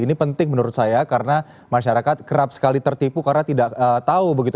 ini penting menurut saya karena masyarakat kerap sekali tertipu karena tidak tahu begitu